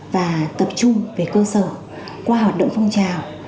và tập trung về cơ sở qua hoạt động phong trào